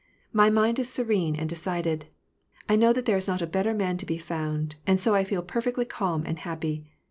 My mind is serene and decided. I know that there is not a better man to be found, and so I feel perfectly calm and happy.